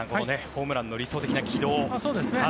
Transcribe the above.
ホームランの理想的な軌道と。